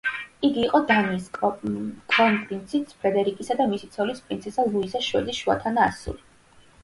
იგი იყო დანიის კრონპრინც ფრედერიკისა და მისი ცოლის, პრინცესა ლუიზა შვედის შუათანა ასული.